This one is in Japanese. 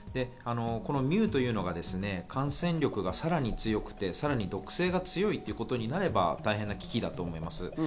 ミューというのが感染力がさらに強くて毒性が強いということになれば大変な危機だと思います。